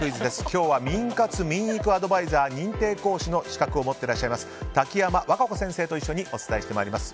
今日は眠活眠育アドバイザー認定講師の資格を持っていらっしゃいます瀧山若子先生と一緒にお伝えしてまいります。